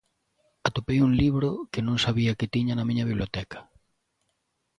Atopei un libro que non sabía que tiña na miña biblioteca.